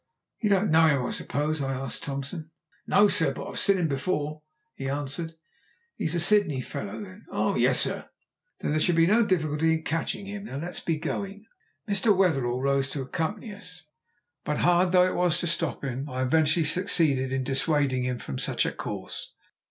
"You don't know him, I suppose?" I asked Thompson. "No, sir; but I've seen him before," he answered. "He's a Sydney fellow, then?" "Oh yes, sir." "Then there should be no difficulty in catching him. Now let us be going." Mr. Wetherell rose to accompany us, but hard though it was to stop him I eventually succeeded in dissuading him from such a course.